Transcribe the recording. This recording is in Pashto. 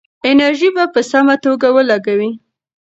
انرژي په سمه توګه ولګوئ.